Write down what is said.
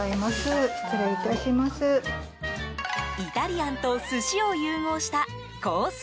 イタリアンと、寿司を融合したコース